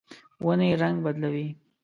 ونې رڼګ بدلوي